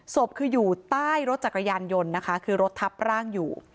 ศพคืออยู่ใต้รถจักรยานยนต์นะคะคือรถทับร่างอยู่